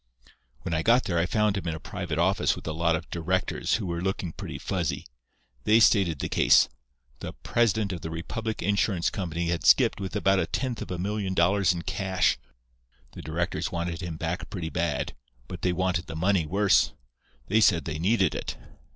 "When I got there I found him in a private office with a lot of directors who were looking pretty fuzzy. They stated the case. The president of the Republic Insurance Company had skipped with about a tenth of a million dollars in cash. The directors wanted him back pretty bad, but they wanted the money worse. They said they needed it.